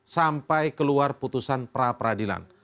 sampai keluar putusan pra peradilan